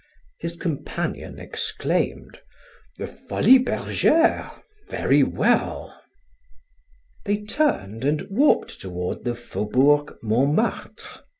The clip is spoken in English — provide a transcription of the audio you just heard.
His companion exclaimed: "The Folies Bergeres! Very well!" They turned and walked toward the Faubourg Montmartre.